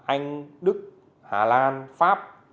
anh đức hà lan pháp